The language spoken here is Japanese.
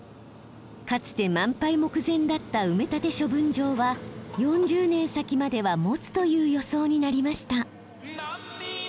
かつて満杯目前だった埋め立て処分場は４０年先まではもつという予想になりました。